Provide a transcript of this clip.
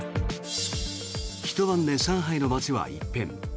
ひと晩で上海の街は一変。